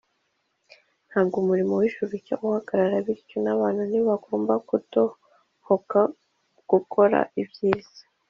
. Ntabwo umurimo w’ijuru ujya uhagarara, bityo n’abantu ntibagomba kudohoka ku gukora ibyiza.